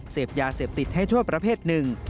เสพยาเสพติดให้โทษประเภทหนึ่ง